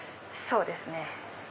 そうですね。